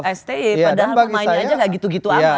mereka mainnya aja gak gitu gitu amat